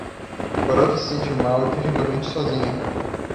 O garoto se sentiu mal e terrivelmente sozinho.